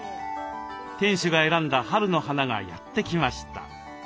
店主が選んだ春の花がやって来ました。